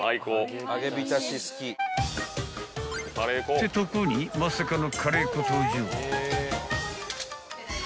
［ってとこにまさかのカレー粉登場］